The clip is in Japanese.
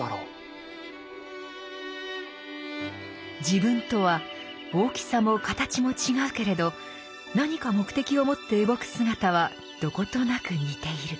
自分とは大きさも形も違うけれど何か目的をもって動く姿はどことなく似ている。